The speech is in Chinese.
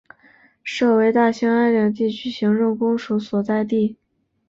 设为大兴安岭地区行政公署所在地。